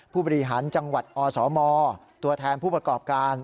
ผู้บริหารจังหวัดอสมตัวแทนผู้ประกอบการ